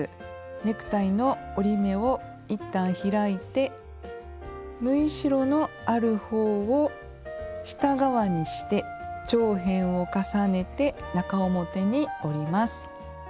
ネクタイの折り目をいったん開いて縫い代のある方を下側にして長辺を重ねて中表に折ります。